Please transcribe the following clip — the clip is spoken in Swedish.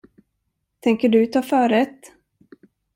Tänker du ta förrätt?